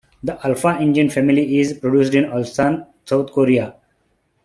The Alpha engine family is produced in Ulsan, South Korea.